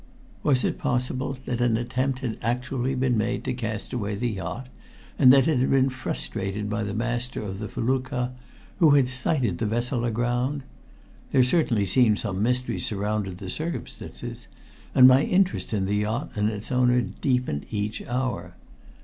Was it possible that an attempt had actually been made to cast away the yacht, and that it had been frustrated by the master of the felucca, who had sighted the vessel aground? There certainly seemed some mystery surrounding the circumstances, and my interest in the yacht and its owner deepened each hour.